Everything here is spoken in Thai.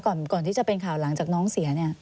ก่อนที่จะเป็นข่าวหลังจากน้องเสียเนี่ย